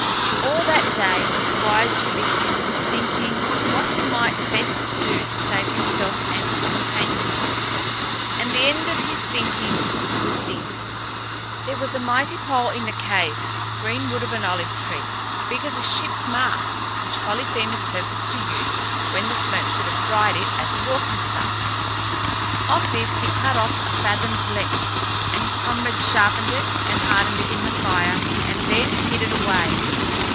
All that day the wise Ulysses was thinking what he might best do to save himself and his companions, and the end of his thinking was this: There was a mighty pole in the cave, green wood of an olive tree, big as a ship's mast, which Polyphemus purposed to use, when the smoke should have dried it, as a walking staff. Of this he cut off a fathom's length, and his comrades sharpened it and hardened it in the fire and then hid it away.